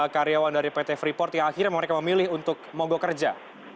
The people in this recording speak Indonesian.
karyawan dari pt freeport yang akhirnya mereka memilih untuk mogok kerja